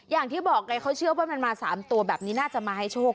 อย่างที่บอกไงเขาเชื่อว่ามันมา๓ตัวแบบนี้น่าจะมาให้โชค